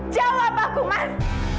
jawab aku mas